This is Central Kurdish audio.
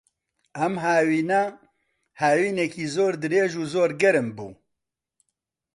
ئەم هاوینە، هاوینێکی زۆر درێژ و زۆر گەرم بوو.